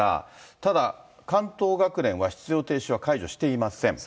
ただ関東学連は出場停止は解除していません。